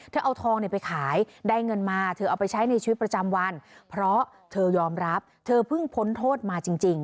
เอาทองไปขายได้เงินมาเธอเอาไปใช้ในชีวิตประจำวันเพราะเธอยอมรับเธอเพิ่งพ้นโทษมาจริง